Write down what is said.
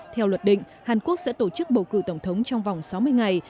theo luật định hàn quốc sẽ tổ chức bầu cử tổng thống trong vòng sáu mươi ngày